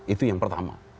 itu yang pertama